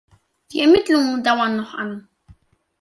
Die Ermittlungen dauern noch an.